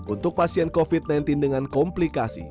untuk pasien covid sembilan belas dengan komplikasi